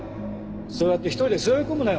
そうやって一人で背負い込むなよ。